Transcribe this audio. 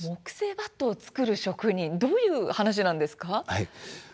木製バットを作る職人どういう話なんですか？